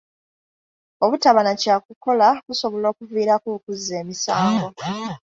Obutaba na kyakukola kusobola okuviirako okuzza emisango.